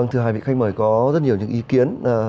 thưa hai vị khách mời có rất nhiều những ý kiến